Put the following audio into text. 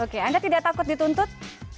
oke anda tidak takut dituntut